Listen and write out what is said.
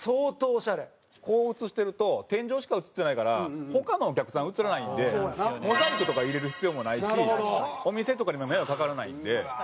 こう映してると天井しか映ってないから他のお客さん映らないんでモザイクとか入れる必要もないしお店とかにも迷惑かからないんで。